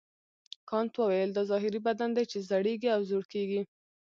کانت وویل دا ظاهري بدن دی چې زړیږي او زوړ کیږي.